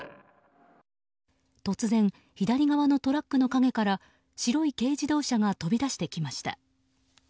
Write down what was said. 突然、左側のトラックの陰から白い軽自動車が飛び出してきました。